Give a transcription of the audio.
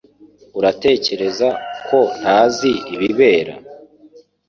Uratekereza ko ntazi ibibera